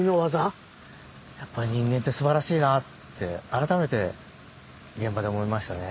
やっぱ人間ってすばらしいなって改めて現場で思いましたね。